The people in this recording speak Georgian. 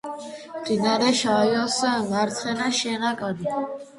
მდინარე შაიოს მარცხენა შენაკადი.